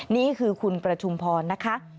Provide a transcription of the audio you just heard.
นี่คือคุณประชุมพรนะคะ